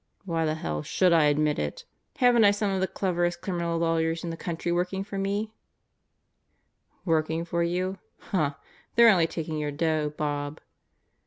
"Why the hell should I admit it? Haven't I some of the 80 God Goes to Murderers Row cleverest criminal lawyers in the country working for me?" "Working for you? Huh! They're only taking your dough, Bob."